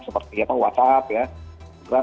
seperti whatsapp ya